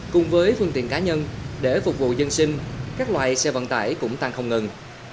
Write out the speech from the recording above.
cùng với phương tiện cá nhân để phục vụ dân sinh các loại xe vận tải cũng tăng không ngừng